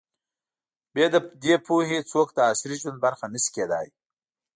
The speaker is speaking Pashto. بې له دې پوهې، څوک د عصري ژوند برخه نه شي کېدای.